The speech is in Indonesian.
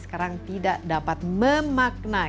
sekarang tidak dapat memaknai